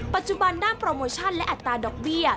ปัจจุบันด้านโปรโมชั่นและอัตราดอกเบี้ย